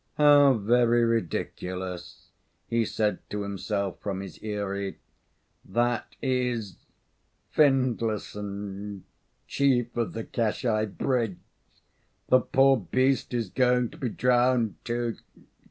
"How very ridiculous!" he said to himself from his eyrie "that is Findlayson chief of the Kashi Bridge. The poor beast is going to be drowned, too.